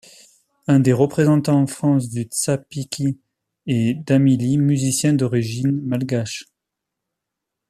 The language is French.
Un des représentants en France du Tsapiky est Damily, musicien d'origine malgache.